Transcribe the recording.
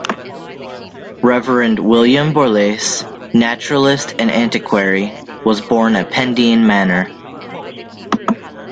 Reverend William Borlase, naturalist and antiquary, was born at Pendeen Manor.